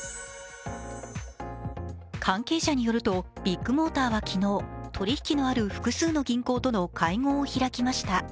関係者によると、ビッグモーターは昨日、取り引きのある複数の銀行との会合を開きました。